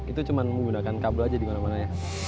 itu cuma menggunakan kabel saja di mana mana